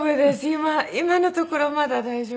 今今のところまだ大丈夫。